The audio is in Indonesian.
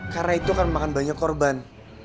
karena itu akan memakan banyak korban